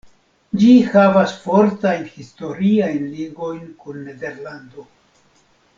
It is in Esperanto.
Ĝi havas fortajn historiajn ligojn kun Nederlando.